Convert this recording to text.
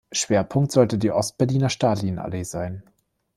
Schwerpunkt sollte die Ost-Berliner Stalinallee sein.